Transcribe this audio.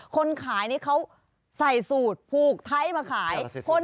คนขายเขาใส่ซูทผูกไท่มาขาย